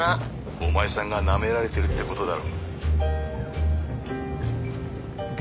お前さんがなめられてるってことだろ。